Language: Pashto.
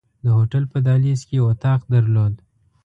د هوټل په دهلیز کې یې اتاق درلود.